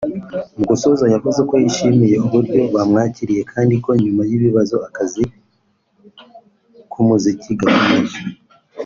Mu gusoza yavuze ko yishimiye uburyo bamwakiriye kandi ko nyuma y’ibibazo akazi k’umuziki gakomeje